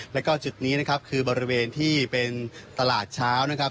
แล้วก็จุดนี้นะครับคือบริเวณที่เป็นตลาดเช้านะครับ